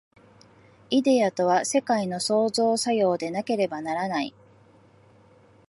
イデヤとは世界の創造作用でなければならない。